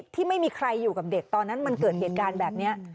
ที่ไม่มีใครอยู่กับเด็กตอนนั้นมันเกิดเหตุการณ์แบบนี้